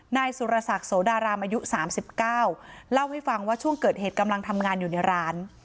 นายสุรศักดิ์โสดารามอายุ๓๙เล่าให้ฟังว่าช่วงเกิดเหตุกำลังทำงานอยู่ในร้าน